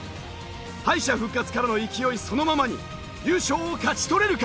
敗者復活からの勢いそのままに優勝を勝ち取れるか？